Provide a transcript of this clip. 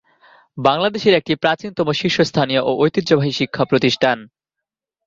বাংলাদেশের একটি প্রাচীনতম শীর্ষস্থানীয় ও ঐতিহ্যবাহী শিক্ষাপ্রতিষ্ঠান।